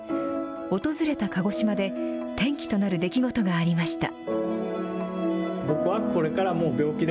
訪れた鹿児島で、転機となる出来事がありました。